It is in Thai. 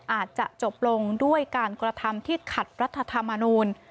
อาจจะจบลงด้วยการกระทำที่ขัดรัฐธรรมนูล